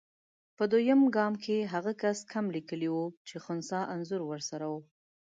په دویم ګام کې هغه کس کم لیکلي وو چې خنثی انځور ورسره وو.